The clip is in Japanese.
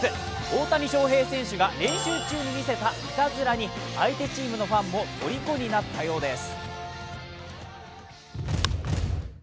大谷翔平選手が練習中に見せたいたずらに相手チームのファンもとりこになったようです。